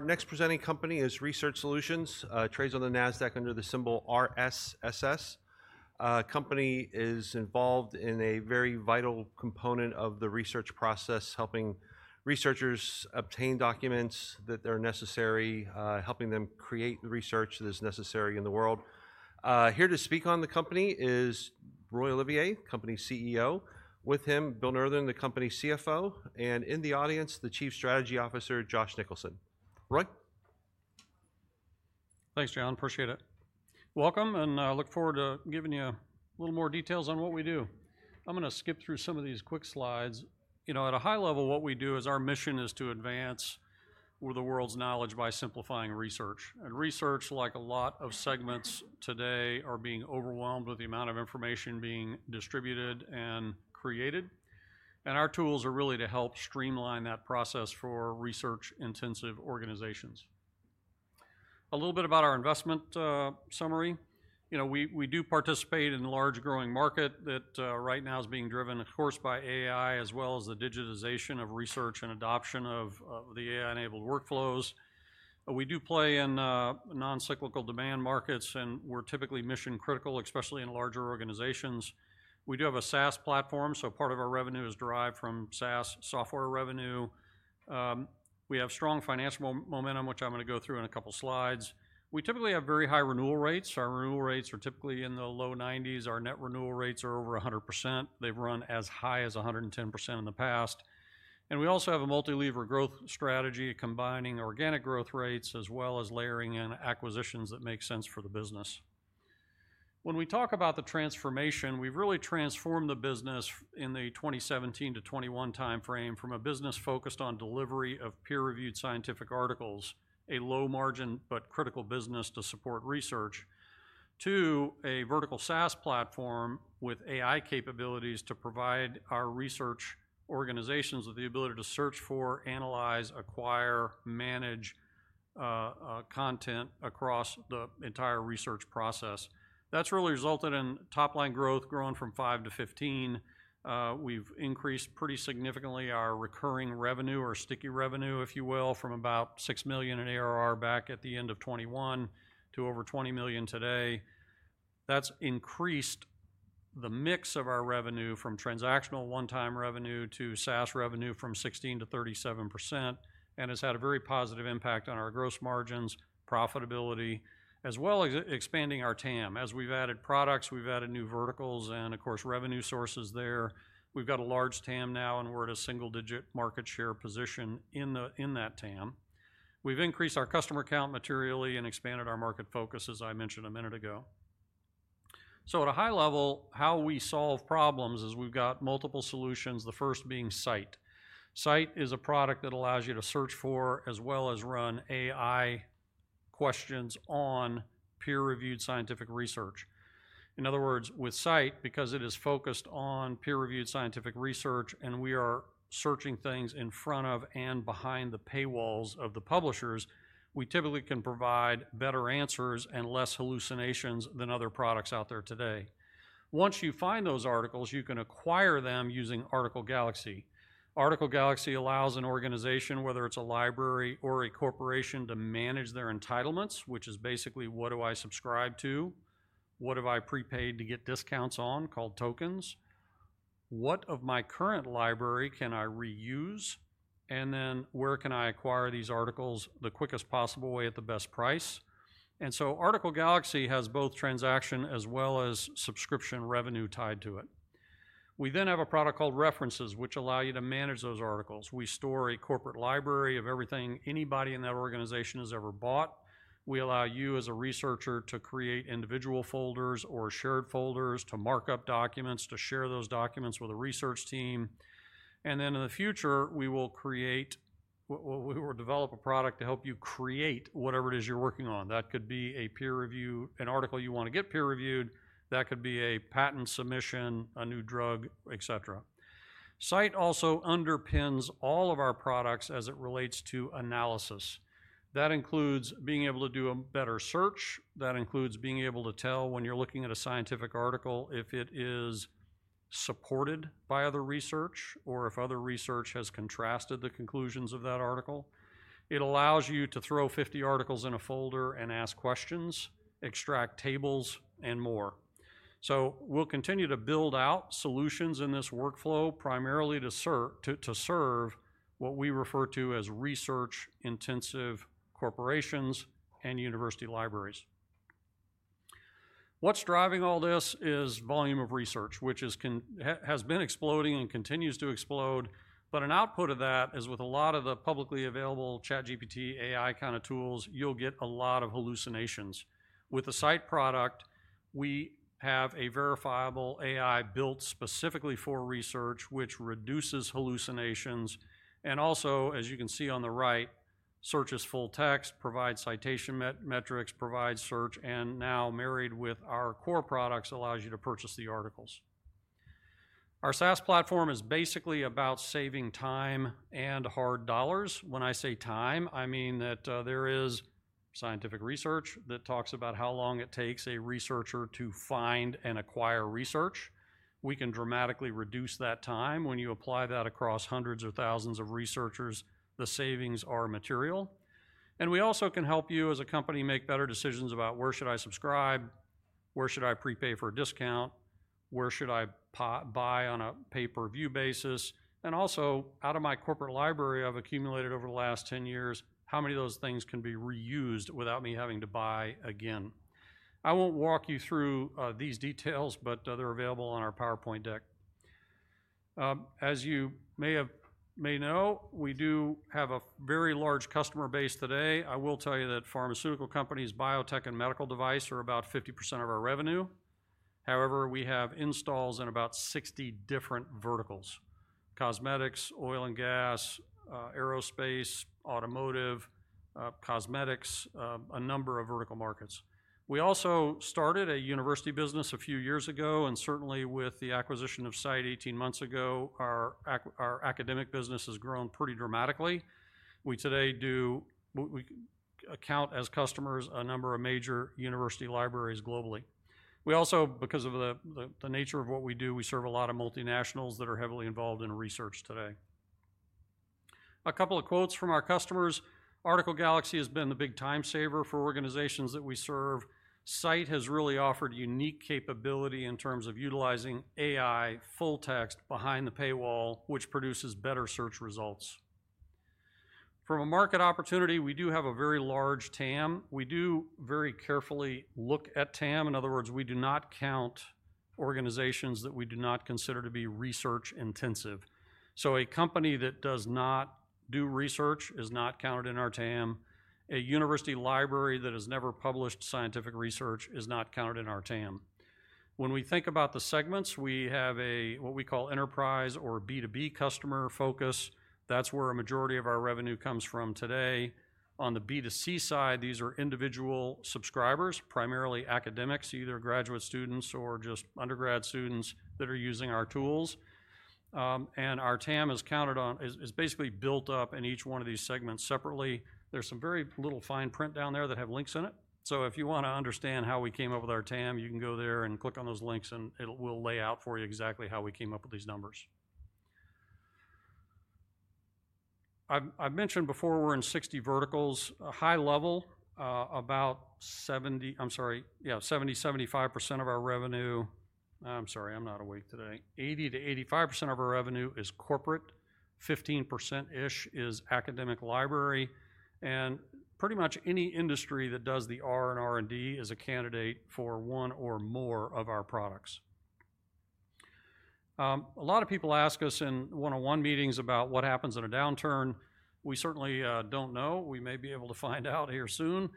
Our next presenting company is Research Solutions, trades on the Nasdaq under the symbol RSSS. The company is involved in a very vital component of the research process, helping researchers obtain documents that are necessary, helping them create the research that is necessary in the world. Here to speak on the company is Roy Olivier, Company CEO. With him, Bill Nurthen, the Company CFO, and in the audience, the Chief Strategy Officer, Josh Nicholson. Roy? Thanks, John. Appreciate it. Welcome, and I look forward to giving you a little more details on what we do. I'm going to skip through some of these quick slides. You know, at a high level, what we do is our mission is to advance the world's knowledge by simplifying research. And research, like a lot of segments today, is being overwhelmed with the amount of information being distributed and created. And our tools are really to help streamline that process for research-intensive organizations. A little bit about our investment summary. You know, we do participate in a large growing market that right now is being driven, of course, by AI, as well as the digitization of research and adoption of the AI-enabled workflows. We do play in non-cyclical demand markets, and we're typically mission-critical, especially in larger organizations. We do have a SaaS platform, so part of our revenue is derived from SaaS software revenue. We have strong financial momentum, which I'm going to go through in a couple of slides. We typically have very high renewal rates. Our renewal rates are typically in the low 90%. Our net renewal rates are over 100%. They've run as high as 110% in the past. We also have a multi-lever growth strategy, combining organic growth rates as well as layering in acquisitions that make sense for the business. When we talk about the transformation, we've really transformed the business in the 2017 to 2021 timeframe from a business focused on delivery of peer-reviewed scientific articles, a low-margin but critical business to support research, to a vertical SaaS platform with AI capabilities to provide our research organizations with the ability to search for, analyze, acquire, and manage content across the entire research process. That's really resulted in top-line growth, growing from $5 million-$15 million. We've increased pretty significantly our recurring revenue, or sticky revenue, if you will, from about $6 million in ARR back at the end of 2021 to over $20 million today. That's increased the mix of our revenue from transactional one-time revenue to SaaS revenue from 16%-37% and has had a very positive impact on our gross margins, profitability, as well as expanding our TAM. As we've added products, we've added new verticals, and of course, revenue sources there. We've got a large TAM now, and we're at a single-digit market share position in that TAM. We've increased our customer count materially and expanded our market focus, as I mentioned a minute ago. At a high level, how we solve problems is we've got multiple solutions, the first being SITE. SITE is a product that allows you to search for, as well as run, AI questions on peer-reviewed scientific research. In other words, with SITE, because it is focused on peer-reviewed scientific research and we are searching things in front of and behind the paywalls of the publishers, we typically can provide better answers and less hallucinations than other products out there today. Once you find those articles, you can acquire them using Article Galaxy. Article Galaxy allows an organization, whether it's a library or a corporation, to manage their entitlements, which is basically what do I subscribe to, what have I prepaid to get discounts on, called tokens, what of my current library can I reuse, and where can I acquire these articles the quickest possible way at the best price. Article Galaxy has both transaction as well as subscription revenue tied to it. We then have a product called References, which allows you to manage those articles. We store a corporate library of everything anybody in that organization has ever bought. We allow you as a researcher to create individual folders or shared folders, to mark up documents, to share those documents with a research team. In the future, we will create or develop a product to help you create whatever it is you're working on. That could be a peer-review, an article you want to get peer-reviewed. That could be a patent submission, a new drug, et cetera. SITE also underpins all of our products as it relates to analysis. That includes being able to do a better search. That includes being able to tell when you're looking at a scientific article if it is supported by other research or if other research has contrasted the conclusions of that article. It allows you to throw 50 articles in a folder and ask questions, extract tables, and more. We'll continue to build out solutions in this workflow, primarily to serve what we refer to as research-intensive corporations and university libraries. What's driving all this is volume of research, which has been exploding and continues to explode. An output of that is, with a lot of the publicly available ChatGPT AI kind of tools, you'll get a lot of hallucinations. With the SITE product, we have a verifiable AI built specifically for research, which reduces hallucinations. Also, as you can see on the right, searches full text, provides citation metrics, provides search, and now, married with our core products, allows you to purchase the articles. Our SaaS platform is basically about saving time and hard dollars. When I say time, I mean that there is scientific research that talks about how long it takes a researcher to find and acquire research. We can dramatically reduce that time. When you apply that across hundreds or thousands of researchers, the savings are material. We also can help you as a company make better decisions about where should I subscribe, where should I prepay for a discount, where should I buy on a pay-per-view basis. Also, out of my corporate library I have accumulated over the last 10 years, how many of those things can be reused without me having to buy again? I will not walk you through these details, but they are available on our PowerPoint deck. As you may know, we do have a very large customer base today. I will tell you that pharmaceutical companies, biotech, and medical devices are about 50% of our revenue. However, we have installs in about 60 different verticals: cosmetics, oil and gas, aerospace, automotive, cosmetics, a number of vertical markets. We also started a university business a few years ago, and certainly with the acquisition of SITE-18 months ago, our academic business has grown pretty dramatically. We today do account as customers a number of major university libraries globally. We also, because of the nature of what we do, we serve a lot of multinationals that are heavily involved in research today. A couple of quotes from our customers. Article Galaxy has been the big time saver for organizations that we serve. SITE has really offered unique capability in terms of utilizing AI full text behind the paywall, which produces better search results. From a market opportunity, we do have a very large TAM. We do very carefully look at TAM. In other words, we do not count organizations that we do not consider to be research-intensive. A company that does not do research is not counted in our TAM. A university library that has never published scientific research is not counted in our TAM. When we think about the segments, we have what we call enterprise or B2B customer focus. That's where a majority of our revenue comes from today. On the B2C side, these are individual subscribers, primarily academics, either graduate students or just undergrad students that are using our tools. Our TAM is basically built up in each one of these segments separately. There's some very little fine print down there that have links in it. If you want to understand how we came up with our TAM, you can go there and click on those links, and it will lay out for you exactly how we came up with these numbers. I've mentioned before we're in 60 verticals. High level, about 70, I'm sorry, yeah, 70%-75% of our revenue—I'm sorry, I'm not awake today—80%-85% of our revenue is corporate, 15%-ish is academic library. And pretty much any industry that does the R and R&D is a candidate for one or more of our products. A lot of people ask us in one-on-one meetings about what happens in a downturn. We certainly do not know. We may be able to find out here soon.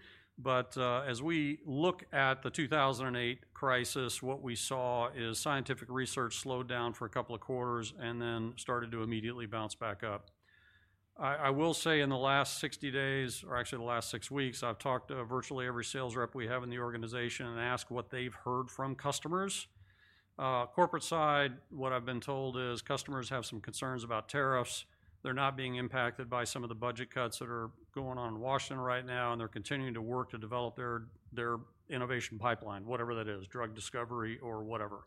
As we look at the 2008 crisis, what we saw is scientific research slowed down for a couple of quarters and then started to immediately bounce back up. I will say in the last 60 days, or actually the last six weeks, I've talked to virtually every sales rep we have in the organization and asked what they've heard from customers. Corporate side, what I've been told is customers have some concerns about tariffs. They're not being impacted by some of the budget cuts that are going on in Washington right now, and they're continuing to work to develop their innovation pipeline, whatever that is, drug discovery or whatever.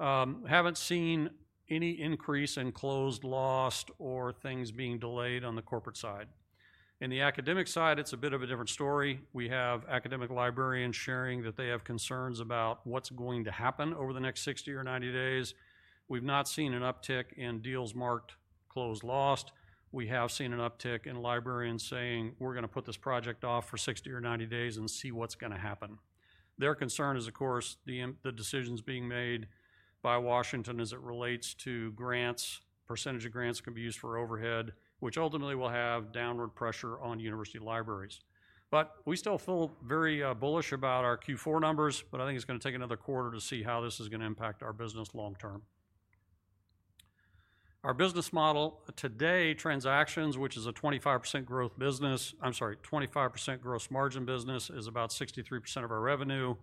Haven't seen any increase in closed lost or things being delayed on the corporate side. In the academic side, it's a bit of a different story. We have academic librarians sharing that they have concerns about what's going to happen over the next 60 or 90 days. We've not seen an uptick in deals marked closed lost. We have seen an uptick in librarians saying, "We're going to put this project off for 60 or 90 days and see what's going to happen." Their concern is, of course, the decisions being made by Washington as it relates to grants, percentage of grants that can be used for overhead, which ultimately will have downward pressure on university libraries. We still feel very bullish about our Q4 numbers, but I think it's going to take another quarter to see how this is going to impact our business long term. Our business model today, transactions, which is a 25% gross margin business, is about 63% of our revenue,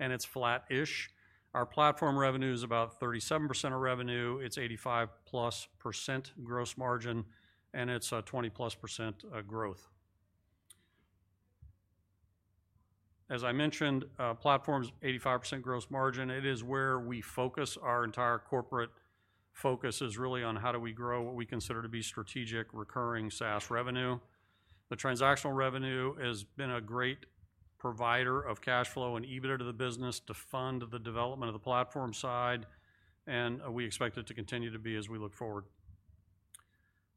and it's flat-ish. Our platform revenue is about 37% of revenue. It's 85%+ gross margin, and it's 20%+ growth. As I mentioned, platforms, 85% gross margin, it is where we focus. Our entire corporate focus is really on how do we grow what we consider to be strategic recurring SaaS revenue. The transactional revenue has been a great provider of cash flow and EBITDA to the business to fund the development of the platform side, and we expect it to continue to be as we look forward.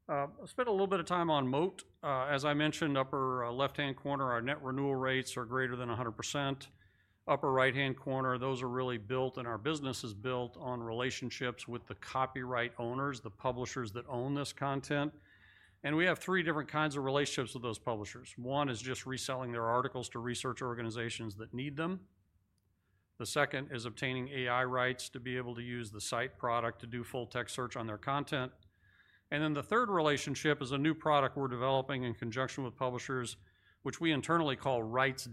I'll spend a little bit of time on moat. As I mentioned, upper left-hand corner, our net renewal rates are greater than 100%. Upper right-hand corner, those are really built, and our business is built on relationships with the copyright owners, the publishers that own this content. And we have three different kinds of relationships with those publishers. One is just reselling their articles to research organizations that need them. The second is obtaining AI rights to be able to use the SITE product to do full-text search on their content. The third relationship is a new product we're developing in conjunction with publishers, which we internally call Rights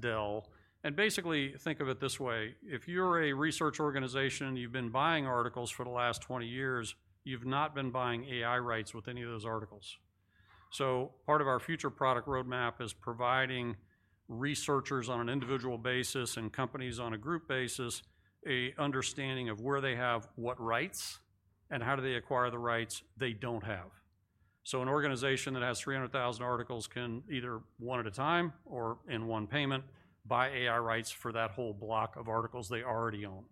Dell. Basically, think of it this way. If you're a research organization, you've been buying articles for the last 20 years, you've not been buying AI rights with any of those articles. Part of our future product roadmap is providing researchers on an individual basis and companies on a group basis an understanding of where they have what rights and how do they acquire the rights they don't have. An organization that has 300,000 articles can either one at a time or in one payment buy AI rights for that whole block of articles they already own.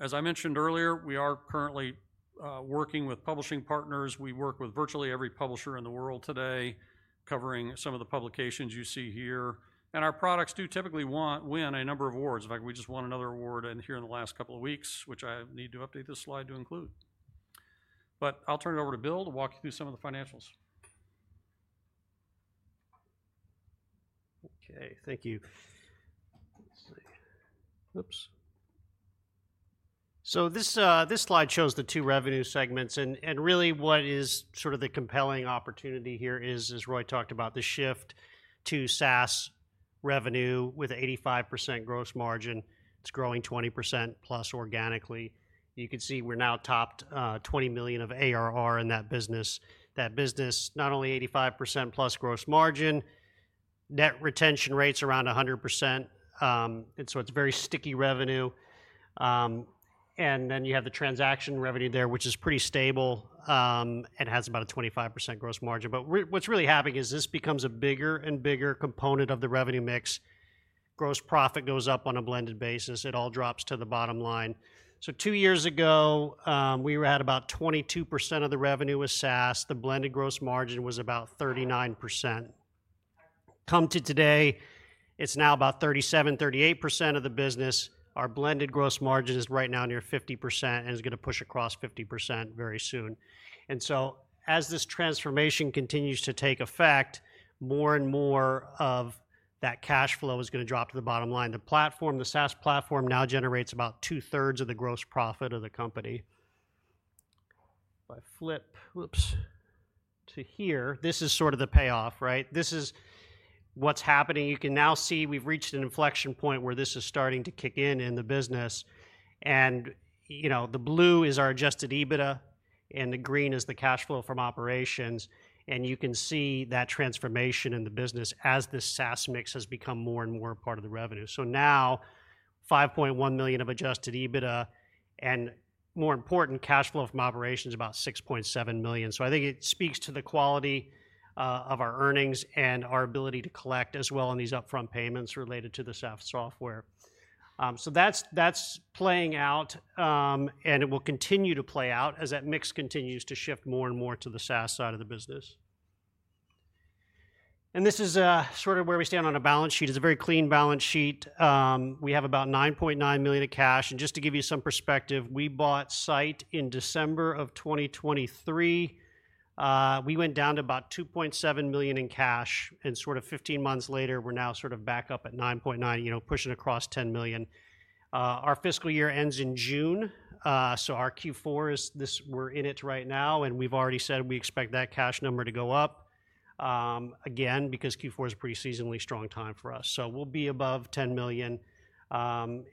As I mentioned earlier, we are currently working with publishing partners. We work with virtually every publisher in the world today, covering some of the publications you see here. Our products do typically win a number of awards. In fact, we just won another award here in the last couple of weeks, which I need to update this slide to include. I will turn it over to Bill to walk you through some of the financials. Okay. Thank you. Let's see. Oops. This slide shows the two revenue segments. Really, what is sort of the compelling opportunity here is, as Roy talked about, the shift to SaaS revenue with 85% gross margin. It's growing 20%+ organically. You can see we're now topped $20 million of ARR in that business. That business, not only 85%+ gross margin, net retention rates around 100%. It's very sticky revenue. You have the transaction revenue there, which is pretty stable and has about a 25% gross margin. What's really happening is this becomes a bigger and bigger component of the revenue mix. Gross profit goes up on a blended basis. It all drops to the bottom line. Two years ago, we were at about 22% of the revenue with SaaS. The blended gross margin was about 39%. Come to today, it's now about 37%-38% of the business. Our blended gross margin is right now near 50% and is going to push across 50% very soon. As this transformation continues to take effect, more and more of that cash flow is going to drop to the bottom line. The SaaS platform now generates about two-thirds of the gross profit of the company. If I flip, oops, to here, this is sort of the payoff, right? This is what's happening. You can now see we've reached an inflection point where this is starting to kick in in the business. The blue is our adjusted EBITDA, and the green is the cash flow from operations. You can see that transformation in the business as this SaaS mix has become more and more part of the revenue. Now, $5.1 million of adjusted EBITDA and, more important, cash flow from operations about $6.7 million. I think it speaks to the quality of our earnings and our ability to collect as well on these upfront payments related to the SaaS software. That is playing out, and it will continue to play out as that mix continues to shift more and more to the SaaS side of the business. This is sort of where we stand on a balance sheet. It is a very clean balance sheet. We have about $9.9 million of cash. Just to give you some perspective, we bought SITE in December of 2023. We went down to about $2.7 million in cash, and sort of 15 months later, we are now sort of back up at $9.9 million, pushing across $10 million. Our fiscal year ends in June. Our Q4 is this, we're in it right now, and we've already said we expect that cash number to go up again because Q4 is a pretty seasonally strong time for us. We'll be above $10 million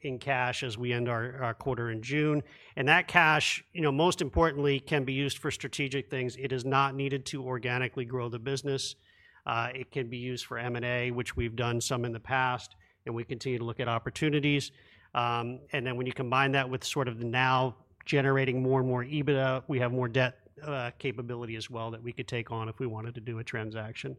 in cash as we end our quarter in June. That cash, most importantly, can be used for strategic things. It is not needed to organically grow the business. It can be used for M&A, which we've done some in the past, and we continue to look at opportunities. When you combine that with sort of now generating more and more EBITDA, we have more debt capability as well that we could take on if we wanted to do a transaction.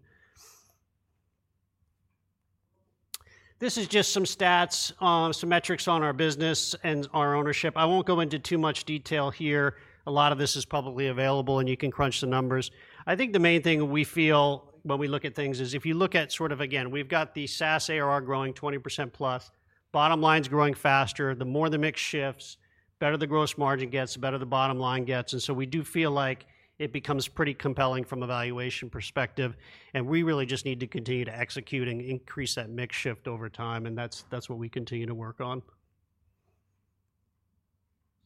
This is just some stats, some metrics on our business and our ownership. I won't go into too much detail here. A lot of this is publicly available, and you can crunch the numbers. I think the main thing we feel when we look at things is if you look at sort of, again, we've got the SaaS ARR growing 20%+. Bottom line's growing faster. The more the mix shifts, better the gross margin gets, the better the bottom line gets. We do feel like it becomes pretty compelling from a valuation perspective. We really just need to continue to execute and increase that mix shift over time, and that's what we continue to work on.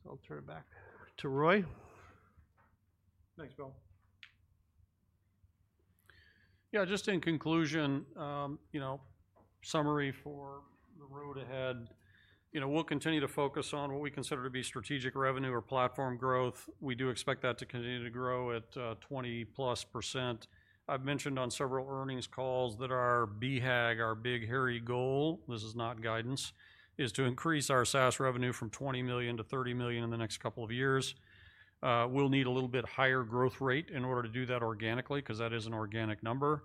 I'll turn it back to Roy. Thanks, Bill. Yeah, just in conclusion, summary for the road ahead. We'll continue to focus on what we consider to be strategic revenue or platform growth. We do expect that to continue to grow at 20%+. I've mentioned on several earnings calls that our BHAG, our big hairy goal—this is not guidance—is to increase our SaaS revenue from $20 million-$30 million in the next couple of years. We'll need a little bit higher growth rate in order to do that organically because that is an organic number.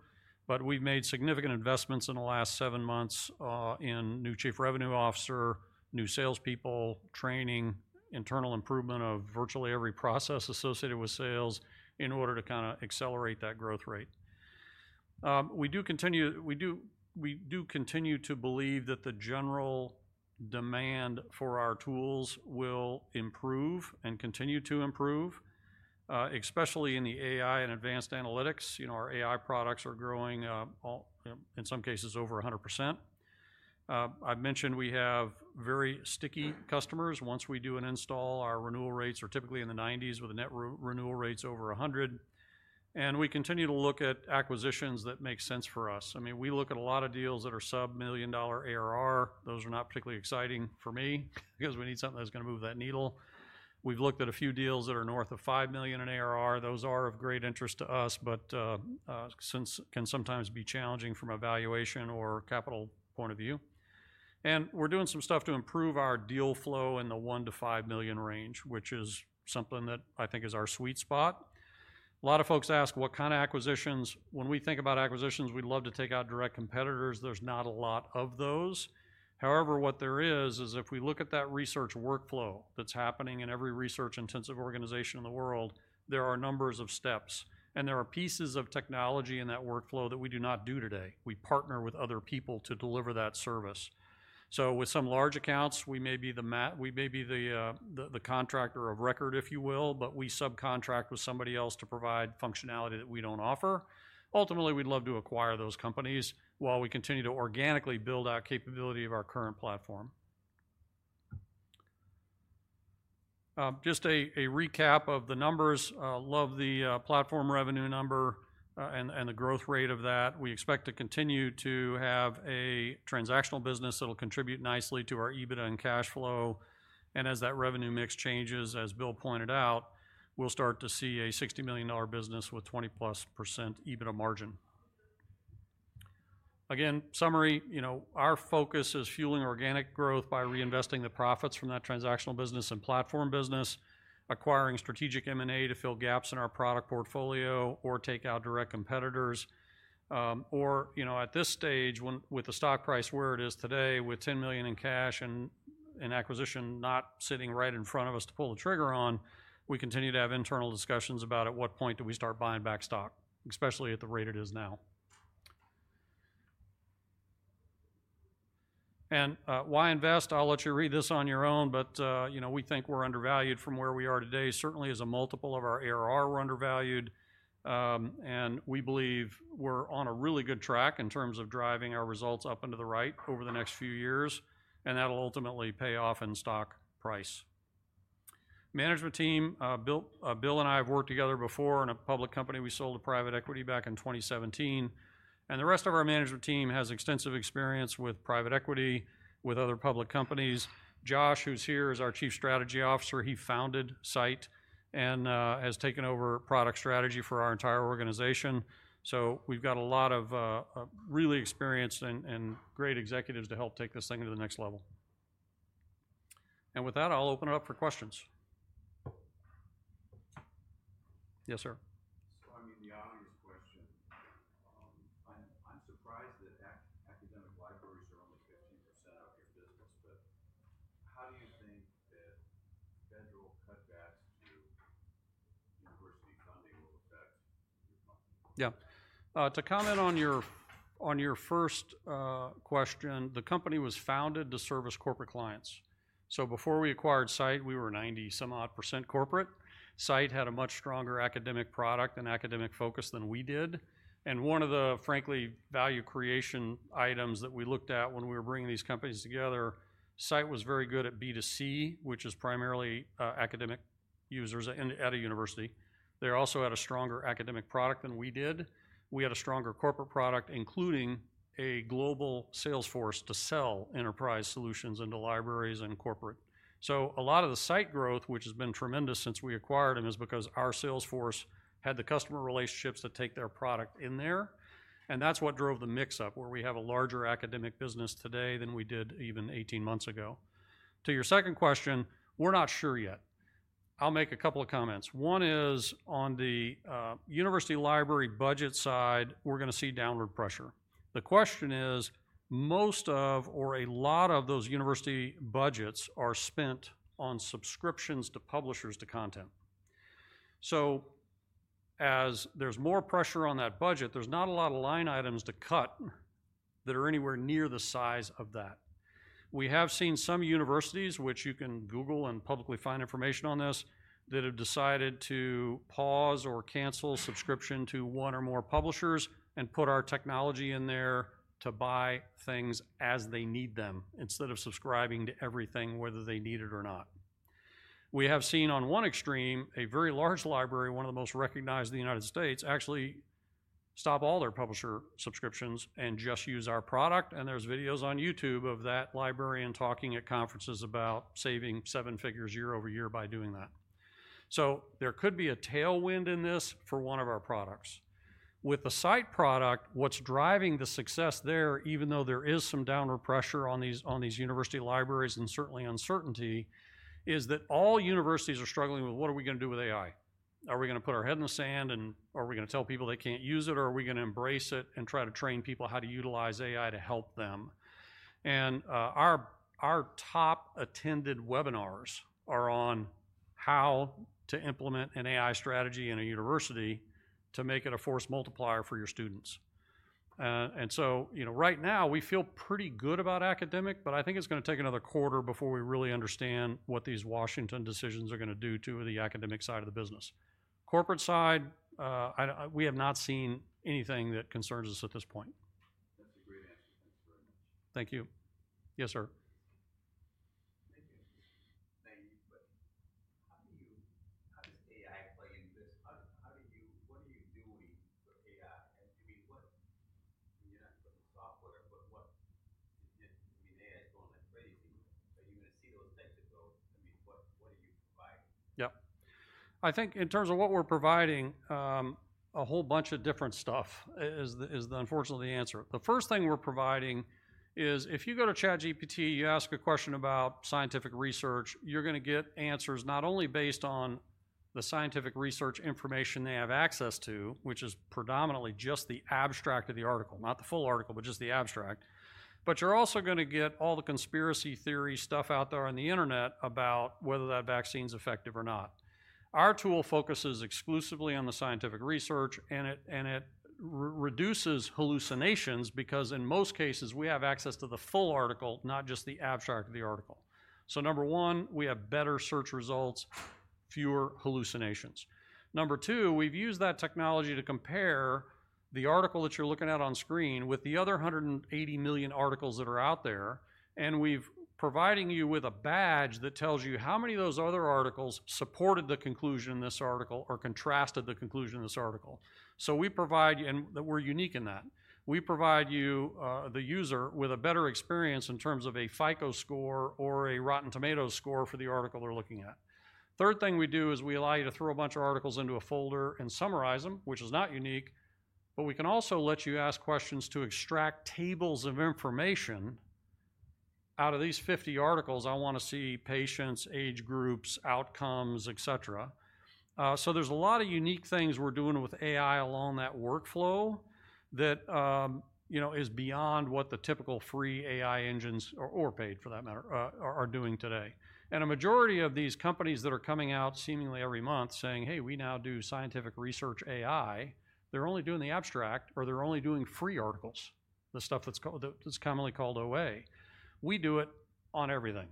But we've made significant investments in the last seven months in new Chief Revenue Officer, new salespeople, training, internal improvement of virtually every process associated with sales in order to kind of accelerate that growth rate. We do continue to believe that the general demand for our tools will improve and continue to improve, especially in the AI and advanced analytics. Our AI products are growing, in some cases, over 100%. I've mentioned we have very sticky customers. Once we do an install, our renewal rates are typically in the 90s with net renewal rates over 100%. We continue to look at acquisitions that make sense for us. I mean, we look at a lot of deals that are sub-million-dollar ARR. Those are not particularly exciting for me because we need something that's going to move that needle. We've looked at a few deals that are north of $5 million in ARR. Those are of great interest to us, but can sometimes be challenging from a valuation or capital point of view. We're doing some stuff to improve our deal flow in the $1 million-$5 million range, which is something that I think is our sweet spot. A lot of folks ask what kind of acquisitions. When we think about acquisitions, we'd love to take out direct competitors. There's not a lot of those. However, what there is is if we look at that research workflow that's happening in every research-intensive organization in the world, there are numbers of steps, and there are pieces of technology in that workflow that we do not do today. We partner with other people to deliver that service. With some large accounts, we may be the contractor of record, if you will, but we subcontract with somebody else to provide functionality that we don't offer. Ultimately, we'd love to acquire those companies while we continue to organically build our capability of our current platform. Just a recap of the numbers. I love the platform revenue number and the growth rate of that. We expect to continue to have a transactional business that'll contribute nicely to our EBITDA and cash flow. As that revenue mix changes, as Bill pointed out, we'll start to see a $60 million business with 20%+ EBITDA margin. Again, summary, our focus is fueling organic growth by reinvesting the profits from that transactional business and platform business, acquiring strategic M&A to fill gaps in our product portfolio, or take out direct competitors. At this stage, with the stock price where it is today, with $10 million in cash and acquisition not sitting right in front of us to pull the trigger on, we continue to have internal discussions about at what point do we start buying back stock, especially at the rate it is now. Why invest? I'll let you read this on your own, but we think we're undervalued from where we are today. Certainly, as a multiple of our ARR, we're undervalued. We believe we're on a really good track in terms of driving our results up into the right over the next few years, and that'll ultimately pay off in stock price. Management team, Bill and I have worked together before in a public company. We sold to private equity back in 2017. The rest of our management team has extensive experience with private equity, with other public companies. Josh, who's here, is our Chief Strategy Officer. He founded SITE and has taken over product strategy for our entire organization. We have a lot of really experienced and great executives to help take this thing to the next level. With that, I'll open it up for questions. Yes, sir. I mean, the obvious question, I'm surprised that academic libraries are only 15% of your business, but how do you think that federal cutbacks to university funding will affect your company? Yeah. To comment on your first question, the company was founded to service corporate clients. Before we acquired SITE, we were 90-some-odd percent corporate. SITE had a much stronger academic product and academic focus than we did. One of the, frankly, value creation items that we looked at when we were bringing these companies together, SITE was very good at B2C, which is primarily academic users at a university. They also had a stronger academic product than we did. We had a stronger corporate product, including a global sales force to sell enterprise solutions into libraries and corporate. A lot of the SITE growth, which has been tremendous since we acquired them, is because our sales force had the customer relationships that take their product in there. That's what drove the mix up, where we have a larger academic business today than we did even 18 months ago. To your second question, we're not sure yet. I'll make a couple of comments. One is on the university library budget side, we're going to see downward pressure. The question is, most of or a lot of those university budgets are spent on subscriptions to publishers to content. As there's more pressure on that budget, there's not a lot of line items to cut that are anywhere near the size of that. We have seen some universities, which you can Google and publicly find information on this, that have decided to pause or cancel subscription to one or more publishers and put our technology in there to buy things as they need them instead of subscribing to everything, whether they need it or not. We have seen on one extreme, a very large library, one of the most recognized in the United States, actually stop all their publisher subscriptions and just use our product. There are videos on YouTube of that librarian talking at conferences about saving seven figures year over year by doing that. There could be a tailwind in this for one of our products. With the SITE product, what's driving the success there, even though there is some downward pressure on these university libraries and certainly uncertainty, is that all universities are struggling with, what are we going to do with AI? Are we going to put our head in the sand, and are we going to tell people they can't use it, or are we going to embrace it and try to train people how to utilize AI to help them? Our top attended webinars are on how to implement an AI strategy in a university to make it a force multiplier for your students. Right now, we feel pretty good about academic, but I think it's going to take another quarter before we really understand what these Washington decisions are going to do to the academic side of the business. Corporate side, we have not seen anything that concerns us at this point. Thank you. Yes, sir. Thank you. Thank you. How do you, how does AI play into this? How do you, what are you doing with AI? I mean, you're not putting software in, but I mean, AI is going like crazy. Are you going to see those things that go, I mean, what are you providing? Yeah. I think in terms of what we're providing, a whole bunch of different stuff is unfortunately the answer. The first thing we're providing is if you go to ChatGPT, you ask a question about scientific research, you're going to get answers not only based on the scientific research information they have access to, which is predominantly just the abstract of the article, not the full article, but just the abstract. You're also going to get all the conspiracy theory stuff out there on the internet about whether that vaccine's effective or not. Our tool focuses exclusively on the scientific research, and it reduces hallucinations because in most cases, we have access to the full article, not just the abstract of the article. Number one, we have better search results, fewer hallucinations. Number two, we've used that technology to compare the article that you're looking at on screen with the other 180 million articles that are out there, and we've provided you with a badge that tells you how many of those other articles supported the conclusion in this article or contrasted the conclusion in this article. So we provide you and we're unique in that. We provide you, the user, with a better experience in terms of a FICO score or a Rotten Tomatoes score for the article they're looking at. Third thing we do is we allow you to throw a bunch of articles into a folder and summarize them, which is not unique, but we can also let you ask questions to extract tables of information out of these 50 articles. I want to see patients, age groups, outcomes, etc. There is a lot of unique things we are doing with AI along that workflow that is beyond what the typical free AI engines, or paid for that matter, are doing today. A majority of these companies that are coming out seemingly every month saying, "Hey, we now do scientific research AI," they are only doing the abstract, or they are only doing free articles, the stuff that is commonly called OA. We do it on everything.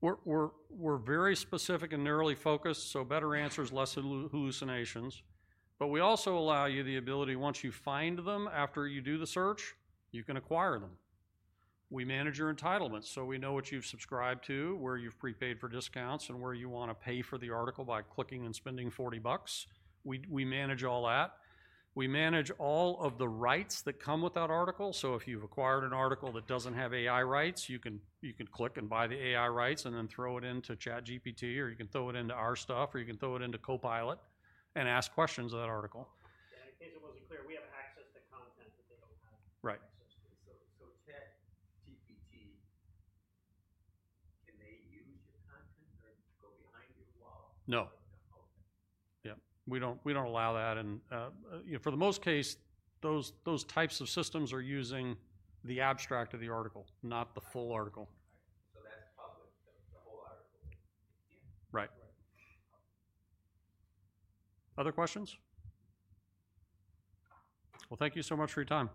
We're very specific and nearly focused, so better answers, less hallucinations. We also allow you the ability, once you find them after you do the search, you can acquire them. We manage your entitlements, so we know what you've subscribed to, where you've prepaid for discounts, and where you want to pay for the article by clicking and spending 40 bucks. We manage all that. We manage all of the rights that come with that article. If you've acquired an article that doesn't have AI rights, you can click and buy the AI rights and then throw it into ChatGPT, or you can throw it into our stuff, or you can throw it into Copilot and ask questions of that article. In case it wasn't clear, we have access to content that they don't have access to. Right. So ChatGPT, can they use your content or go behind your wall? No. Yeah. We don't allow that. For the most case, those types of systems are using the abstract of the article, not the full article. Right. Other questions? Thank you so much for your time.